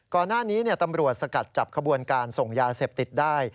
ก่อนหน้านี้ตำรวจสกัดจับขบวนการส่งยาเสพติดได้